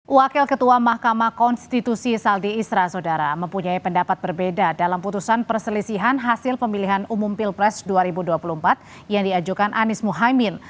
wakil ketua mahkamah konstitusi saldi isra sodara mempunyai pendapat berbeda dalam putusan perselisihan hasil pemilihan umum pilpres dua ribu dua puluh empat yang diajukan anies muhaymin